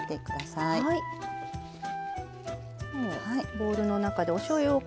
ボウルの中でおしょうゆを。